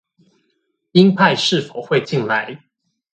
英派是否會進來